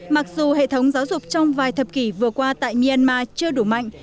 mặc dù hệ thống giáo dục trong vài thập kỷ vừa qua tại myanmar chưa đủ mạnh